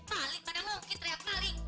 maling pada mungkin terlihat maling